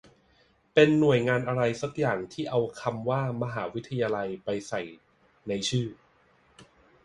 เป็นหน่วยงานอะไรสักอย่างที่เอาคำว่า "มหาวิทยาลัย" ไปใส่ในชื่อ